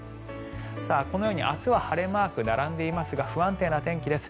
このように明日は晴れマークが並んでいますが不安定な天気です。